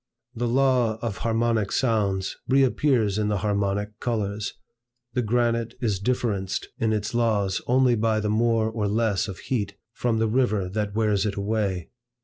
The law of harmonic sounds reappears in the harmonic colors. The granite is differenced in its laws only by the more or less of heat, from the river that wears it away.